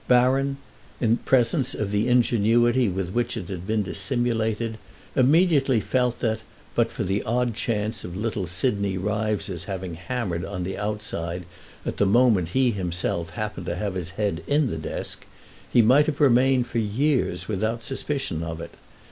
Baron, in presence of the ingenuity with which it had been dissimulated, immediately felt that, but for the odd chance of little Sidney Ryves's having hammered on the outside at the moment he himself happened to have his head in the desk, he might have remained for years without suspicion of it.